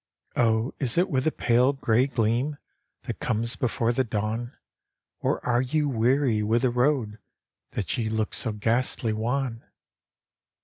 " O is it with the pale gray gleam That comes before the dawn, Or arc ye weary with the road That ye look so ghastly wan?"